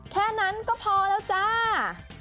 แค่นั้นก็พอแล้วจ้า